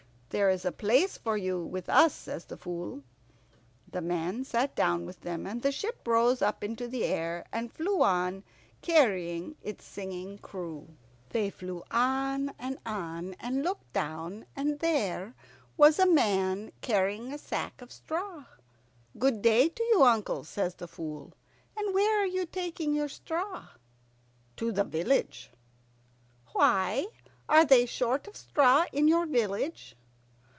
"There's a place for you with us," says the Fool. The man sat down with them, and the ship rose up into the air, and flew on, carrying its singing crew. They flew on and on, and looked down, and there was a man carrying a sack of straw. "Good health to you, uncle," says the Fool; "and where are you taking your straw?" "To the village." "Why, are they short of straw in your village?"